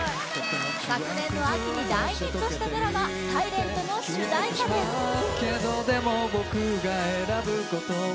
昨年の秋に大ヒットしたドラマ「ｓｉｌｅｎｔ」の主題歌です・めめ！